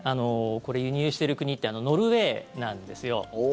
これ、輸入している国ってノルウェーなんですよ。